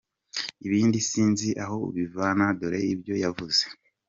Ibindi sinzi aho ubivana dore ibyo yavuze